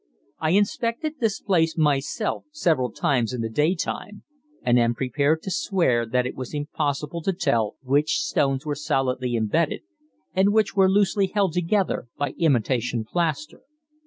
I inspected this place myself several times in the day time, and am prepared to swear that it was impossible to tell which stones were solidly imbedded and which were loosely held together by imitation plaster.